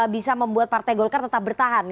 bisa membuat partai golkar tetap bertahan